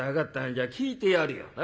じゃあ聞いてやるよな？